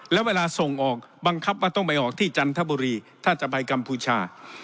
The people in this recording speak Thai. แล้วเวลาส่งออกบังคับว่าต้องไปออกที่จันทบุรีถ้าจะไปกัมพูชา